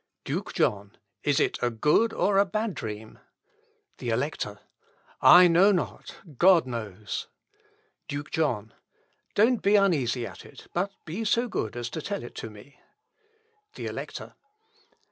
Duke John. "Is it a good or a bad dream?" The Elector. "I know not; God knows." Duke John. "Don't be uneasy at it; but be so good as tell it to me." _The Elector.